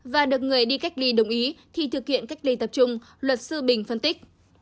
và được người đi cách ly đồng ý khi thực hiện cách ly tập trung luật sư bình phân tích